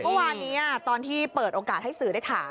เมื่อวานนี้ตอนที่เปิดโอกาสให้สื่อได้ถาม